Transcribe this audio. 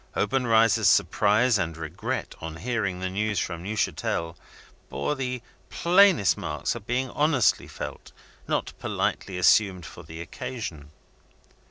Obenreizer's surprise and regret, on hearing the news from Neuchatel, bore the plainest marks of being honestly felt not politely assumed for the occasion.